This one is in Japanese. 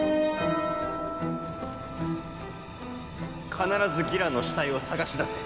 必ずギラの死体を捜し出せ。